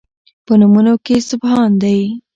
په نومونو کې سبحان دی